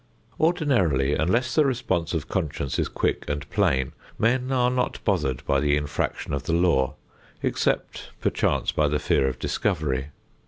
Ordinarily unless the response of conscience is quick and plain, men are not bothered by the infraction of the law except, perchance, by the fear of discovery.